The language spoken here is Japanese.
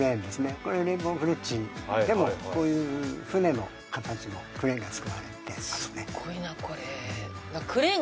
これレインボーブリッジでもこういう船の形のクレーンが造られてますねスッゴ